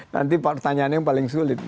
nanti pertanyaannya yang paling sulit